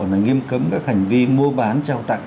là nghiêm cấm các hành vi mua bán trao tặng